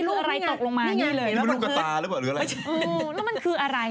แล้วมันคืออะไร